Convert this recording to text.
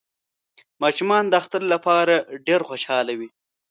ماشومان د اختر لپاره ډیر خوشحاله وی